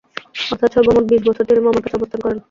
অর্থাৎ সর্বমোট বিশ বছর তিনি মামার কাছে অবস্থান করেন।